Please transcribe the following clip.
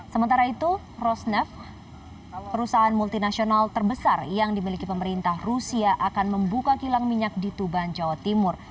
sementara itu rosnef perusahaan multinasional terbesar yang dimiliki pemerintah rusia akan membuka kilang minyak di tuban jawa timur